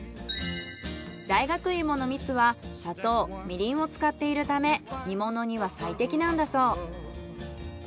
大学芋の蜜は砂糖みりんを使っているため煮物には最適なんだそう。